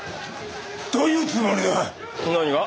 どういうつもりだ！？何が？